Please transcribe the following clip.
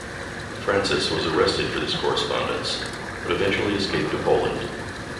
Francis was arrested for this correspondence but eventually escaped to Poland.